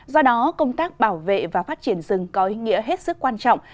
do đó công tác bảo vệ và phát triển rừng có ý nghĩa hết sức quan trọng